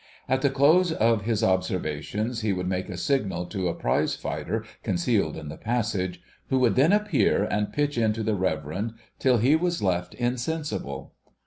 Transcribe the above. At the close of his observations he would make a signal to a Trizefighter concealed in the passage, who would then appear and pitch into the Reverend, till he was left insensible.